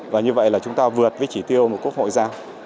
và như vậy là chúng ta vượt với chỉ tiêu một quốc hội ra